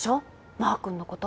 マー君のこと。